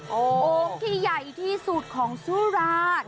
โอ่งที่ใหญ่ที่สุดของสุราช